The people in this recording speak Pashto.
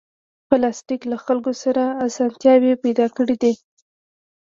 پلاستيک له خلکو سره اسانتیاوې پیدا کړې دي.